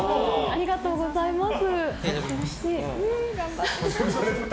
ありがとうございます。